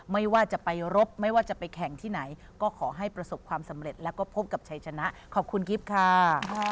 ไม่ว่าจะไปรบไม่ว่าจะไปแข่งที่ไหนก็ขอให้ประสบความสำเร็จแล้วก็พบกับชัยชนะขอบคุณกิฟต์ค่ะ